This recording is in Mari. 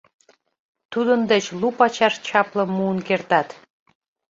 Тудын деч лу пачаш чаплым муын кертат.